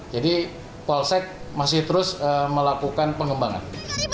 jadi polsek masih terus melakukan pengembangan